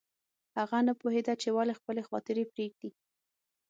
هغه نه پوهېده چې ولې خپلې خاطرې پرېږدي